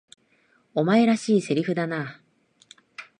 お前らしい台詞だな。